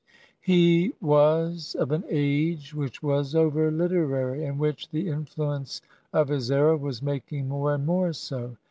He was of an age which was over Uterary, and which the influence of his error was making more and more so.